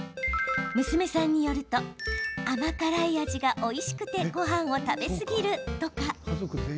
娘さんによると甘辛い味がおいしくてごはんを食べ過ぎるとか。